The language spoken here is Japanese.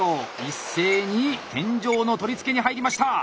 一斉に天井の取り付けに入りました。